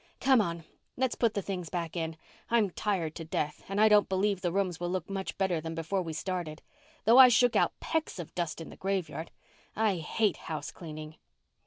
Come on, let's put the things back in. I'm tired to death and I don't believe the rooms will look much better than before we started—though I shook out pecks of dust in the graveyard. I hate house cleaning."